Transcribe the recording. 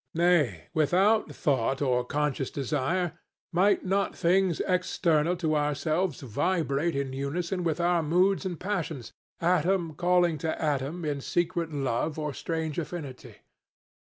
Nay, without thought or conscious desire, might not things external to ourselves vibrate in unison with our moods and passions, atom calling to atom in secret love or strange affinity?